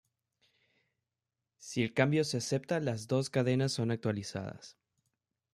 Si el cambio se acepta las dos cadenas son actualizadas.